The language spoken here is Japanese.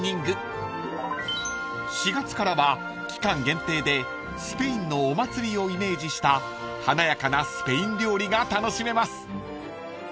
［４月からは期間限定でスペインのお祭りをイメージした華やかなスペイン料理が楽しめます］